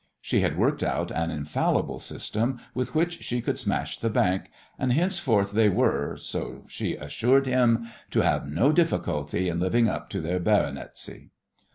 She had worked out an infallible system with which she could smash the bank, and henceforth they were so she assured him to have no difficulty in living up to their "baronetcy."